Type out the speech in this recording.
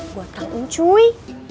buat tanggung cuy